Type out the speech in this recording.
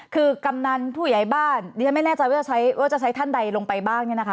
คือกำนันผู้ใหญ่บ้านไม่แน่ใจว่าจะใช้ท่านใดลงไปบ้าง